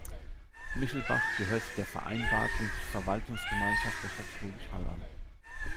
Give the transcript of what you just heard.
Michelbach gehört der Vereinbarten Verwaltungsgemeinschaft der Stadt Schwäbisch Hall an.